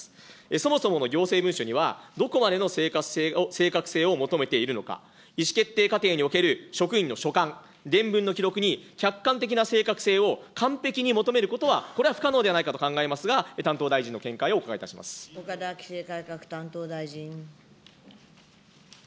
そもそもの行政文書には、どこまでの正確性を求めているのか、意思決定過程における職員の所感、伝聞の記録に客観的な正確性を完璧に求めることは、これは不可能ではないかと考えますが、担当大岡田規制改革担当大臣。